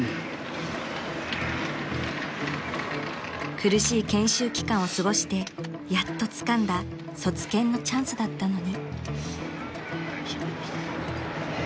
［苦しい研修期間を過ごしてやっとつかんだ卒検のチャンスだったのに］